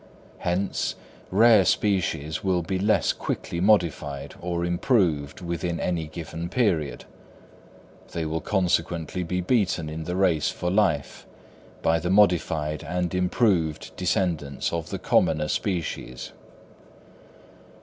Hence, rare species will be less quickly modified or improved within any given period; they will consequently be beaten in the race for life by the modified and improved descendants of the commoner species.